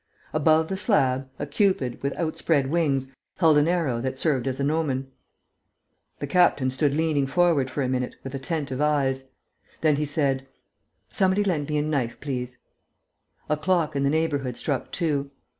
Above the slab, a Cupid, with outspread wings, held an arrow that served as a gnomon. The captain stood leaning forward for a minute, with attentive eyes. Then he said: "Somebody lend me a knife, please." A clock in the neighbourhood struck two.